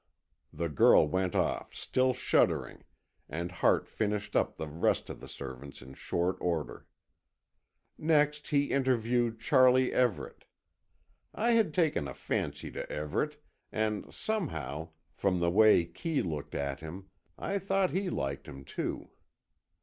The girl went off, still shuddering, and Hart finished up the rest of the servants in short order. Next he interviewed Charlie Everett. I had taken a fancy to Everett, and somehow, from the way Kee looked at him, I thought he liked him, too.